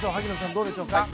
どうでしょうか。